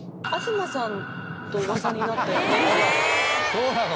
そうなの？